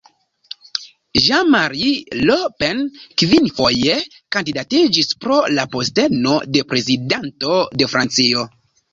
Jean-Marie Le Pen kvinfoje kandidatiĝis por la posteno de Prezidanto de Francio.